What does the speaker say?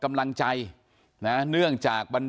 ก็ได้บอกหัวงานที่ขอยุติบทบาทให้คำปรึกษาทางกฎหมายกับลุงพล